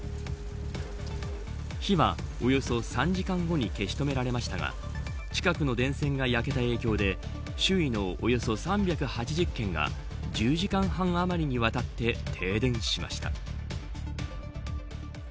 火は、およそ３時間後に消し止められましたが近くの電線が焼けた影響で周囲のおよそ３８０軒が１０時間半あまりに渡って停電しました。